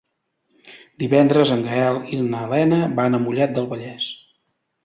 Divendres en Gaël i na Lena van a Mollet del Vallès.